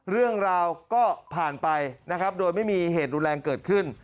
เรื่องราวก็ผ่านไปนะครับโดยไม่มีเหตุรุนแรงเกิดขึ้น